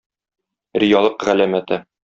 Риялык галәмәте.